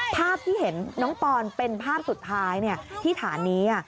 ภาพที่เห็นน้องปอนเป็นภาพสุดท้ายที่ฐานนี้